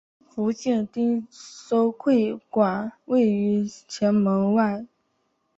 福建汀州会馆位于前门外。